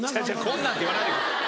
こんなんって言わないでください。